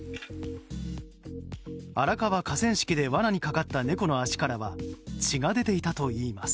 荒川・河川敷で罠にかかった猫の足からは血が出ていたといいます。